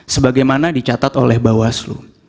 sebagaimana dicatat oleh bawaslu